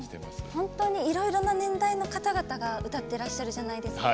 本当にいろいろな年代の方々が歌っていらっしゃるじゃないですか。